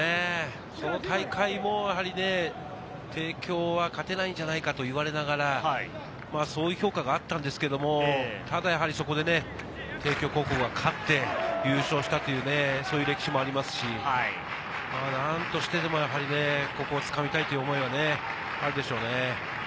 その大会も帝京は勝てないんじゃないかと言われながら、そういう評価があったんですが、そこで帝京高校は勝って優勝したという、そういう歴史もありますし、何としてでもここをつかみたいという思いはあるでしょうね。